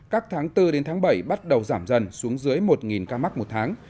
các tháng bốn đến tháng bảy bắt đầu giảm dần xuống dưới một ca mắc một tháng